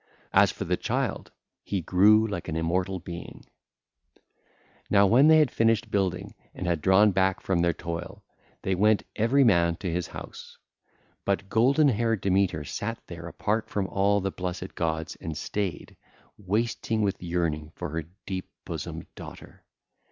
As for the child, he grew like an immortal being. (ll. 301 320) Now when they had finished building and had drawn back from their toil, they went every man to his house. But golden haired Demeter sat there apart from all the blessed gods and stayed, wasting with yearning for her deep bosomed daughter.